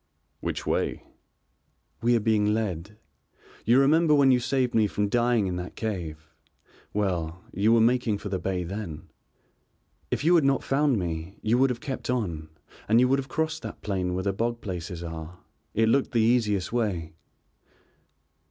"Which way?" "We are being led. You remember when you saved me from dying in that cave, well, you were making for the bay then. If you had not found me you would have kept on and you would have crossed that plain where the bog places are, it looked the easiest way."